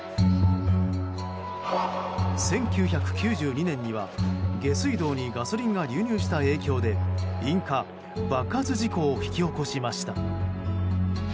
１９９２年には下水道にガソリンが流入した影響で引火・爆発事故を引き起こしました。